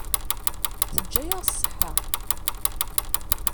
Teǧǧa-yaɣ ṣṣeḥḥa.